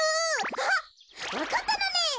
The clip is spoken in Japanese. あっわかったのね！